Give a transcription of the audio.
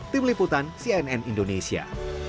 tim liputan cnn indonesia